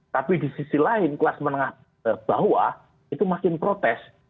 tapi di sisi lain kelas menengah bawah itu makin protes